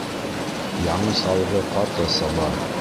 Яңы салғы ҡаты саба.